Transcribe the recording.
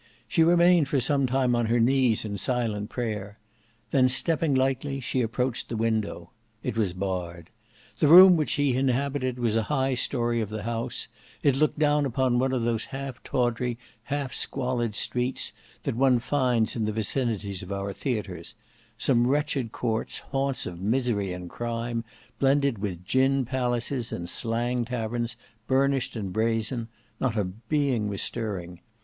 She remained for some time on her knees in silent prayer: then stepping lightly, she approached the window. It was barred. The room which she inhabited was a high story of the house; it looked down upon one of those half tawdry, half squalid streets that one finds in the vicinities of our theatres; some wretched courts, haunts of misery and crime, blended with gin palaces and slang taverns, burnished and brazen; not a being was stirring.